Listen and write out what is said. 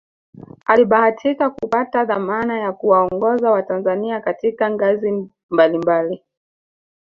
Alibahatika kupata dhamana ya kuwaongoza watanzania katika ngazi mbali mbali